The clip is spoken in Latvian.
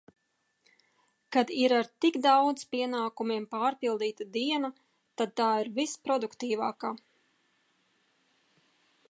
Kad ir ar tik daudz pienākumiem pārpildīta diena, tad tā ir visproduktīvākā.